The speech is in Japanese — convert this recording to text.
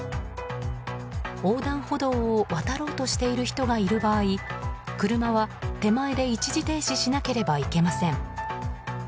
横断歩道を渡ろうとしている人がいる場合車は手前で一時停止しなければいけません。